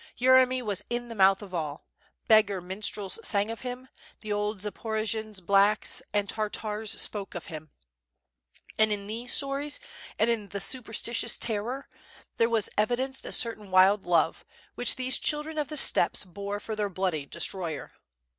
Yeremy was in the mouth of all; beggar minstrels sang of him; the old Zaporojians "blacks'* and Tar tars spoke of him. And in these stories and in the supersti tious terror, there was evidenced a certain wild love, which these children of the steppes bore for their bloody destroyer.